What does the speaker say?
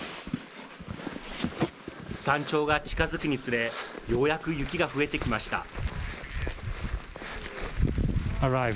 山頂が近づくにつれ、ようやく雪が増えてきました。